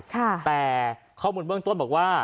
แต่ข้อมูลเบื้องต้นบอกว่า